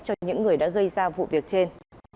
cho những người đã gây ra vụ việc trên